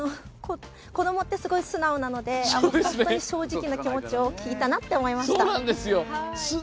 子どもって、すごい素直なので正直な気持ちを聞いたなと思いました。